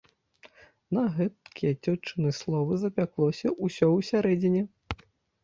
На гэткія цётчыны словы запяклося ўсё ўсярэдзіне.